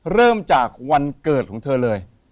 เริ่มจากวันเกิดของเธอเลย